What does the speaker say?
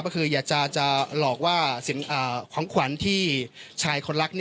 ก็คืออยากจะหลอกว่าของขวัญที่ชายคนรัก